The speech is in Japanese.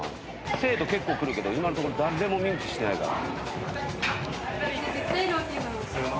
生徒結構来るけど今のところ誰も見向きしてないから。